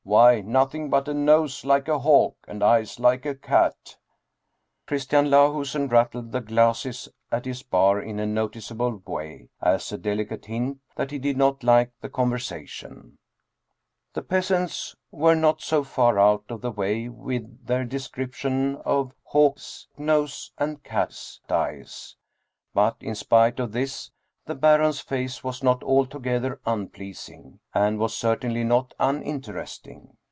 "Why, nothing but a nose like a hawk and eyes like a cat " Christian Lahusen rattled the glasses at his bar in a noticeable way, as a delicate hint that he did not like the conversation. 1*8 Dietrich Theden The peasants were not so far out of the way with their description of " hawk's nose and cat's eyes." But in spite of this, the Baron's face was not altogether unpleasing, and was certainly not uninteresting.